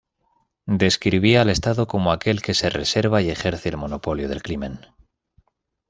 Describía al estado como aquel que ""se reserva y ejerce el monopolio del crimen"".